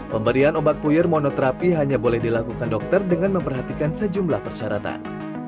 pemberian obat puyur monoterapi hanya boleh dilakukan dokter dengan memperhatikan sejumlah persyaratan